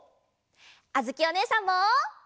あづきおねえさんも。